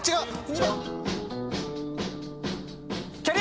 ２番。